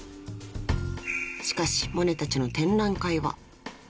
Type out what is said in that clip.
［しかしモネたちの展覧会は］